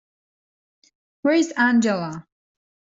Where's Angela?